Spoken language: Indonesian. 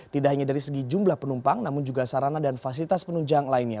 tidak hanya dari segi jumlah penumpang namun juga sarana dan fasilitas penunjang lainnya